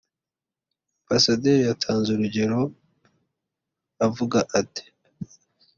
Ambasaderi yatanze urugero avuga ati